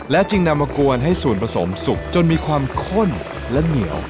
จึงนำมากวนให้ส่วนผสมสุกจนมีความข้นและเหนียว